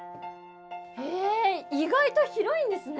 へえ意外と広いんですね。